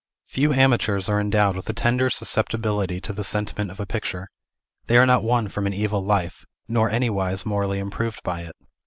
Few amateurs are endowed with a tender susceptibility to the sentiment of a picture; they are not won from an evil life, nor anywise morally improved by it.